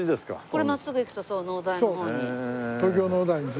これ真っすぐ行くとそう農大の方に。